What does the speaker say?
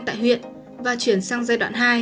tại huyện và chuyển sang giai đoạn hai